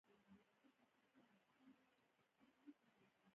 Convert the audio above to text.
باران د افغانستان د انرژۍ د سکتور برخه ده.